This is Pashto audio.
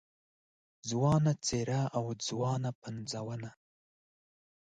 ځوانه څېره او ځوانه پنځونه